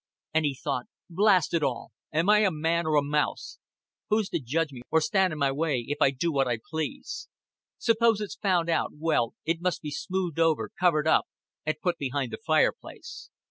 And he thought. "Blast it all, am I a man or a mouse? Who's to judge me, or stan' in my way, if I do what I please? Suppose it's found out, well, it must be smoothed over, covered up, and put behind the fireplace.